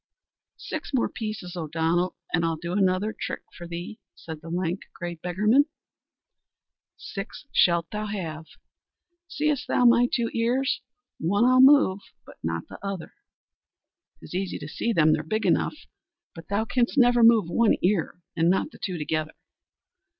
"Six more pieces, O'Donnell, and I'll do another trick for thee," said the lank, grey beggarman. "Six shalt thou have." "Seest thou my two ears! One I'll move but not t'other." "'Tis easy to see them, they're big enough, but thou canst never move one ear and not the two together."